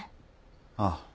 ああ。